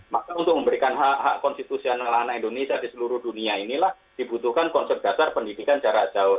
maka untuk memberikan hak hak konstitusional anak indonesia di seluruh dunia inilah dibutuhkan konsep dasar pendidikan jarak jauh